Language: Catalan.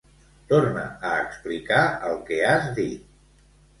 Torna a explicar el que has dit.